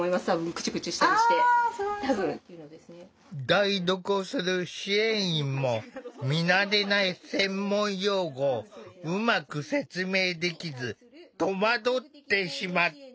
代読をする支援員も見慣れない専門用語をうまく説明できず戸惑ってしまった。